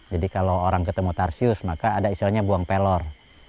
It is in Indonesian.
jadi kalau orang ketemu tarsius maka ada istilahnya buang pelor